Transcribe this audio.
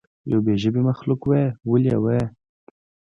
یو بې ژبې مخلوق وهئ ولې یې وهئ.